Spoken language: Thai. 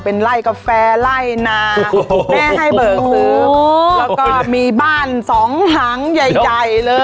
เป็นไล่กาแฟไล่นาแม่ให้เบิกซื้อแล้วก็มีบ้านสองหางใหญ่ใหญ่เลย